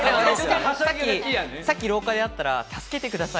さっき廊下で会ったら助けてください